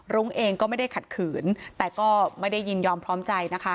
รุ้งเองก็ไม่ได้ขัดขืนแต่ก็ไม่ได้ยินยอมพร้อมใจนะคะ